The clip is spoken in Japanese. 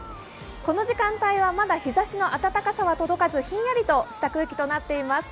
この時間帯はまだ日ざしの暖かさは届かずひんやりとした空気となっています。